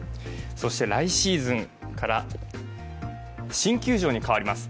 そして来シーズンから新球場に変わります。